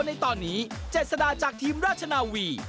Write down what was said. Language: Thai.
ในตอนนี้เจษฎาจากทีมราชนาวี